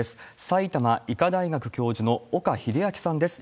埼玉医科大学教授の、岡秀昭さんです。